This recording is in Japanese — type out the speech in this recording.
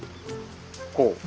こう。